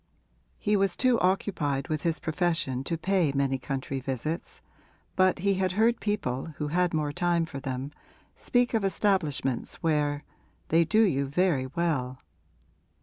He was too occupied with his profession to pay many country visits, but he had heard people who had more time for them speak of establishments where 'they do you very well.'